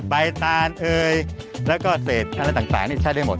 ใบตาลเอยแล้วก็เศษท่าและต่างนี่ใช้ได้หมด